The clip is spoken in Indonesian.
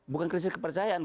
bukan krisis kepercayaan